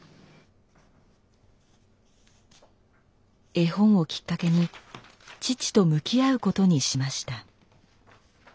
絵本をきっかけに父と向き合うことにしました。